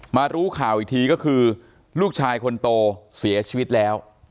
รู้ข่าวอีกทีก็คือลูกชายคนโตเสียชีวิตแล้ว